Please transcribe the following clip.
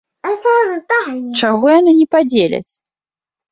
Чаго яны не падзеляць?